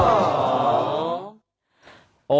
โอ้โห